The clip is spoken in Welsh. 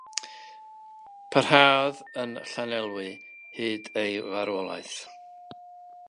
Parhaodd yn Llanelwy hyd ei farwolaeth.